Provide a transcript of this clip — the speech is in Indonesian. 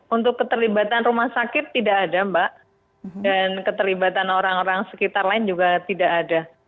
untuk keterlibatan rumah sakit tidak ada mbak dan keterlibatan orang orang sekitar lain juga tidak ada